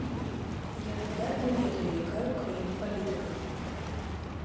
Я выдатна ведаю, якая ў краіне палітыка.